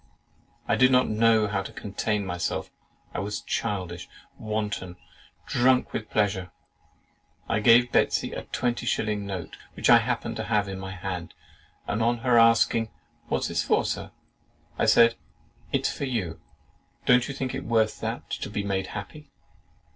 I did not know how to contain myself; I was childish, wanton, drunk with pleasure. I gave Betsey a twenty shilling note which I happened to have in my hand, and on her asking "What's this for, Sir?" I said, "It's for you. Don't you think it worth that to be made happy?